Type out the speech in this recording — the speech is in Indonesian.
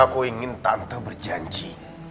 aku ingin tante berjanji